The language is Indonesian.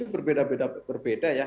pada tangga ya